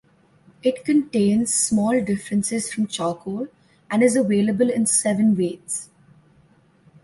It contains small differences from Charcoal, and is available in seven weights.